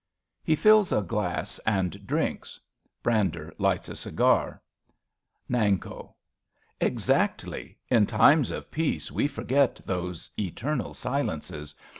{He fills a glass and drinks. Brander lights a cigar.) Nanko. Exactly. In times of peace we for get those eternal silences.